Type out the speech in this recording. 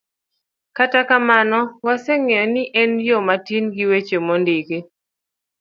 Kata kamano, waseng'eyo ni en yo matiyo gi weche mondiki.